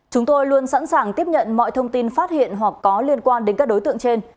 chúng tôi luôn sẵn sàng tiếp nhận mọi thông tin phát hiện hoặc có liên quan đến các đối tượng trên